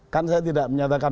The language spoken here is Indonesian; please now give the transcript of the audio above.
kan saya tidak menyatakan